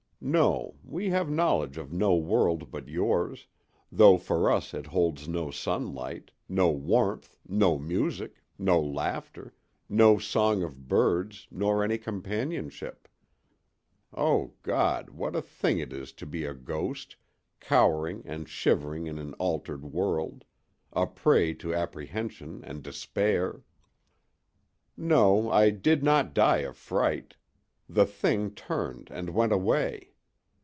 No, we have knowledge of no world but yours, though for us it holds no sunlight, no warmth, no music, no laughter, no song of birds, nor any companionship. O God! what a thing it is to be a ghost, cowering and shivering in an altered world, a prey to apprehension and despair! No, I did not die of fright: the Thing turned and went away.